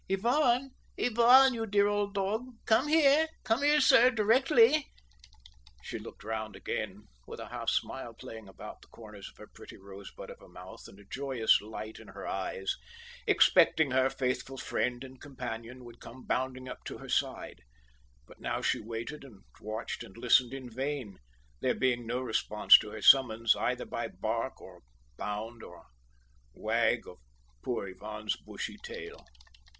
Ivan, Ivan, you dear old dog. Come here; come here, sir, directly!" She looked round again, with a half smile playing about the corners of her pretty rosebud of a mouth and a joyous light in her eyes, expecting her faithful friend and companion would come bounding up to her side; but she now waited and watched and listened in vain, there being no response to her summons either by bark or bound or wag of poor Ivan's bushy tail.